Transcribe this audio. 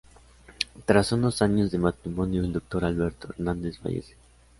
Tras unos años de matrimonio, el doctor Alberto Hernández fallece.